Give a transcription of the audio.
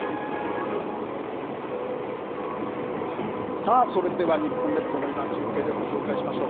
さあ、それでは日本列島の今、中継でご紹介しましょう。